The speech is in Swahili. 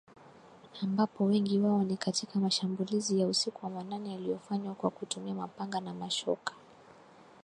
Ambapo wengi wao ni katika mashambulizi ya usiku wa manane yaliyofanywa kwa kutumia mapanga na mashoka.